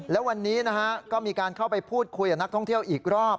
และวันนี้นะฮะก็มีการเข้าไปพูดคุยกับนักท่องเที่ยวอีกรอบ